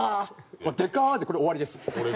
「うわっでかっ！」でこれ終わりです。